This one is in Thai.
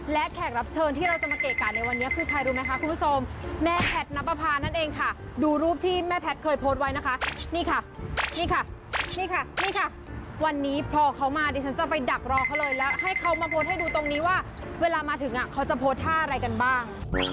และแขกรับเชิญที่เราจะมาเกะกะในวันนี้คือใครรู้ไหมคะคุณผู้ชมแม่แพทย์นับประพานั่นเองค่ะดูรูปที่แม่แพทย์เคยโพสต์ไว้นะคะนี่ค่ะนี่ค่ะนี่ค่ะนี่ค่ะวันนี้พอเขามาดิฉันจะไปดักรอเขาเลยแล้วให้เขามาโพสต์ให้ดูตรงนี้ว่าเวลามาถึงเขาจะโพสต์ท่าอะไรกันบ้าง